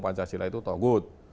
pancasila itu toh good